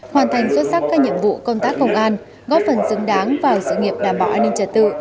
hoàn thành xuất sắc các nhiệm vụ công tác công an góp phần xứng đáng vào sự nghiệp đảm bảo an ninh trật tự